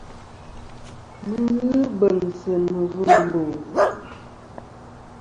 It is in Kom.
Mi ghɨ beŋsɨ mivim mbo.